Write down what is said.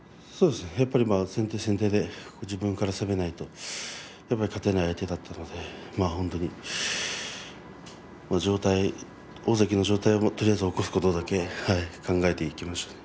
やっぱり先手先手で自分から攻めないと勝てない相手だったのでまあ、大関の上体を起こすことだけとりあえず考えていきました。